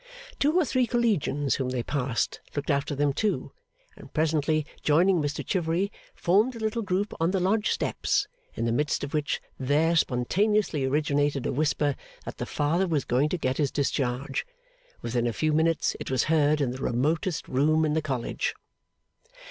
Two or three Collegians whom they passed, looked after them too, and presently joining Mr Chivery, formed a little group on the Lodge steps, in the midst of which there spontaneously originated a whisper that the Father was going to get his discharge. Within a few minutes, it was heard in the remotest room in the College.